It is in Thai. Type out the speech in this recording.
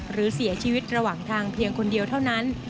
หรือเสียชีวิตระหว่างทางเพียงคนเดียวเท่านั้น